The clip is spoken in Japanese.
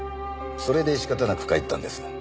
それで仕方なく帰ったんです。